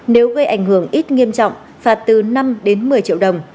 nếu gây ảnh hưởng ít nghiêm trọng phạt từ năm đến một mươi triệu đồng